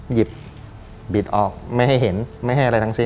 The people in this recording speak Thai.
หยิบบิดออกไม่ให้เห็นไม่ให้อะไรทั้งสิ้น